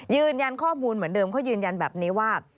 ยืนยันข้อมูลเหมือนเดิมเขายืนยันแบบนี้ว่า